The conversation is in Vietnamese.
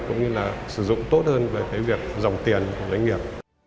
cũng như là sử dụng tốt hơn về cái việc dòng tiền của doanh nghiệp